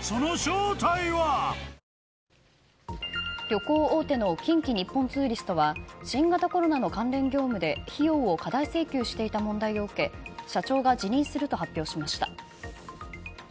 旅行大手の近畿日本ツーリストは新型コロナの関連業務で費用を過大請求していた問題を受け社長が辞任すると発表しました。